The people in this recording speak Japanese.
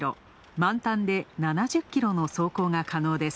満タンで、７０キロの走行が可能です。